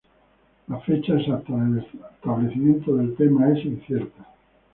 La fecha exacta del establecimiento del tema es incierta.